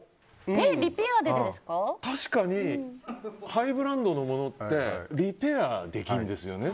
確かにハイブランドのものってリペアできるんですよね。